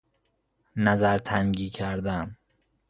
نظرتنگی کردن